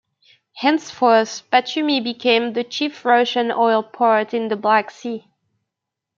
Henceforth, Batumi became the chief Russian oil port in the Black Sea.